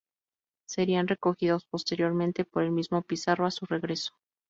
Serían recogidos posteriormente por el mismo Pizarro, a su regreso.